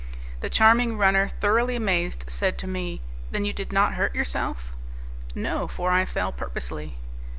The charming runner, thoroughly amazed, said to me, "Then you did not hurt yourself?" "No, for I fell purposely."